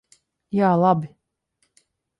Jā, labi.